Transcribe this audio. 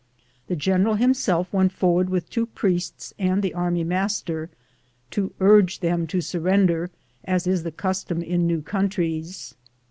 The general himself went forward with two priests and the army master, to urge them to sur render, as is the custom in new countries.